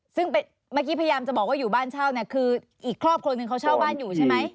ซึ่งเมื่อกี้พยายามจะบอกว่าอยู่บ้านเช่าเนี่ยคืออีกครอบครัวหนึ่งเขาเช่าบ้านอยู่ใช่ไหม